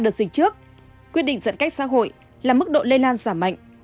ở ba đợt dịch trước quyết định giãn cách xã hội là mức độ lây lan giảm mạnh